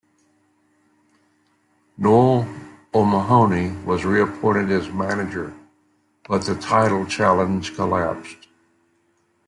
Noel O'Mahony was re-appointed as manager but the title challenge collapsed.